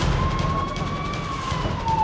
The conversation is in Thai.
รักแม่ค่ะ